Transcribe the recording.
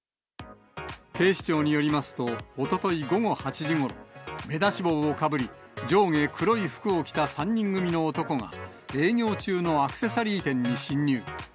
警視庁によりますと、おととい午後８時ごろ、目出し帽をかぶり、上下黒い服を着た３人組の男が、営業中のアクセサリー店に侵入。